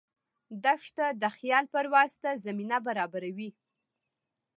دښته د خیال پرواز ته زمینه برابروي.